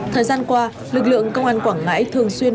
thời gian qua lực lượng công an quảng ngãi thường xuyên